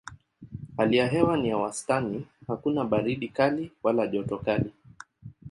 Hali ya hewa ni ya wastani hakuna baridi kali wala joto kali.